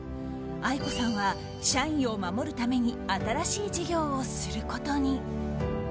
ＡＩＫＯさんは社員を守るために新しい事業をすることに。